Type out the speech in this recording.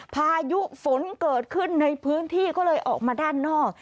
พายุฝนเกิดขึ้นในพื้นที่ก็เลยออกมาด้านนอก